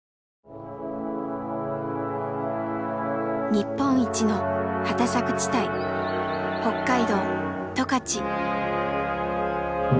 日本一の畑作地帯北海道・十勝。